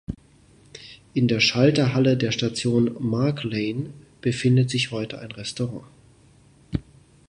In der Schalterhalle der Station "Mark Lane" befindet sich heute ein Restaurant.